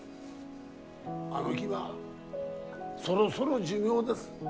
あの木は、そろそろ寿命です。